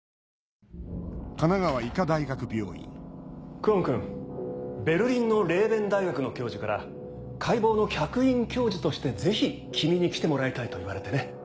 久遠君ベルリンのレーヴェン大学の教授から解剖の客員教授としてぜひ君に来てもらいたいと言われてね。